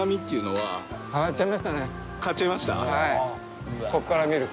はい。